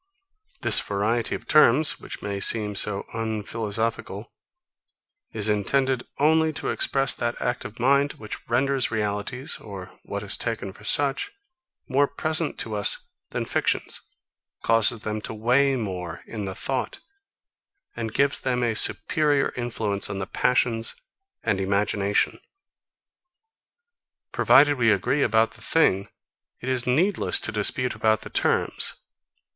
This variety of terms, which may seem so unphilosophical, is intended only to express that act of the mind, which renders realities, or what is taken for such, more present to us than fictions, causes them to weigh more in the thought, and gives them a superior influence on the passions and imagination. Provided we agree about the thing, it is needless to dispute about the terms.